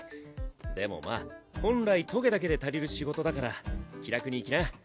でもまあ本来棘だけで足りる仕事だから気楽にいきな。